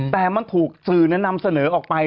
แต่มันถูกสื่อนำเสนอออกไป